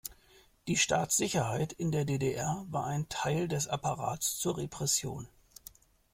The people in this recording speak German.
Die Staatssicherheit in der D-D-R war ein Teil des Apparats zur Repression.